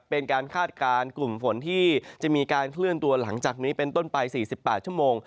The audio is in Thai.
คาดการณ์กลุ่มฝนที่จะมีการเคลื่อนตัวหลังจากนี้เป็นต้นไป๔๘ชั่วโมง